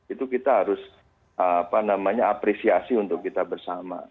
itu kita harus apresiasi untuk kita bersama